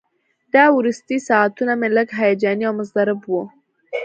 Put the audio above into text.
دا وروستي ساعتونه مې لږ هیجاني او مضطرب وو.